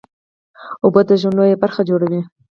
اوبه د ژوند لویه برخه جوړوي